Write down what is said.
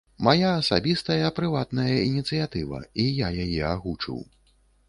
Мая асабістая прыватная ініцыятыва, і я яе агучыў.